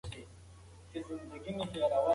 متخصصین د سم برس کولو سپارښتنه کوي.